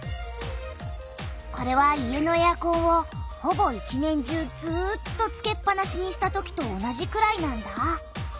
これは家のエアコンをほぼ一年中ずっとつけっぱなしにしたときと同じくらいなんだ。